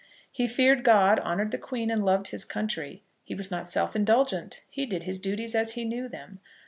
He feared God, honoured the Queen, and loved his country. He was not self indulgent. He did his duties as he knew them.